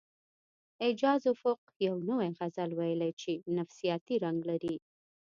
اعجاز افق یو نوی غزل ویلی چې نفسیاتي رنګ لري